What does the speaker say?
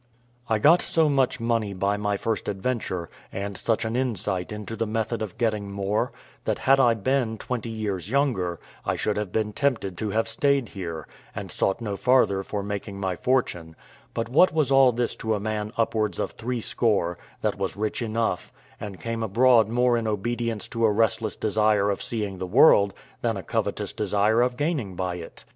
I got so much money by my first adventure, and such an insight into the method of getting more, that had I been twenty years younger, I should have been tempted to have stayed here, and sought no farther for making my fortune; but what was all this to a man upwards of threescore, that was rich enough, and came abroad more in obedience to a restless desire of seeing the world than a covetous desire of gaining by it?